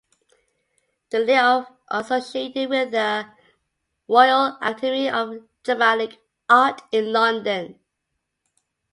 The Lir is associated with the Royal Academy of Dramatic Art in London.